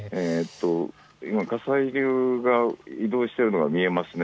火砕流が移動しているのが見えますね。